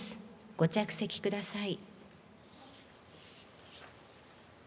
ご着席ください。